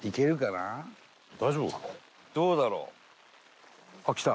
どうだろう？